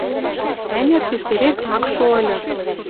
Ӓнят, тишкевек ак шо ыльы.